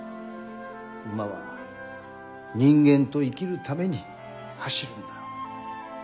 馬は人間と生きるために走るんだよ。